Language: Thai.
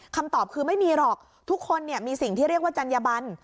คำตอบคือไม่มีหรอกทุกคนมีสิ่งที่เรียกว่าจัญญบัน